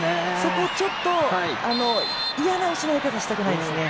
ちょっと嫌な失い方したくないですね。